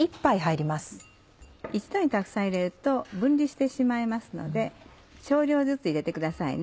一度にたくさん入れると分離してしまいますので少量ずつ入れてくださいね。